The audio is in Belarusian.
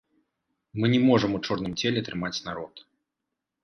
Мы не можам у чорным целе трымаць народ.